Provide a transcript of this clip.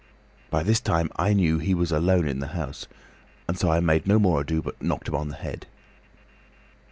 By this time I knew he was alone in the house, and so I made no more ado, but knocked him on the head."